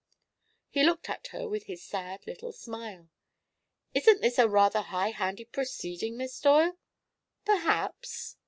He looked at her with his sad little smile. "Isn't this a rather high handed proceeding, Miss Doyle?" "Perhaps."